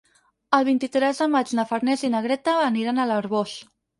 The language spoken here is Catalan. El vint-i-tres de maig na Farners i na Greta aniran a l'Arboç.